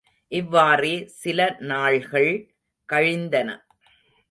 இவ்வாறே சில நாள்கள் கழிந்தன.